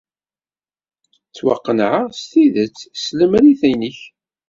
Ttwaqennɛeɣ s tidet s tlemrit-nnek.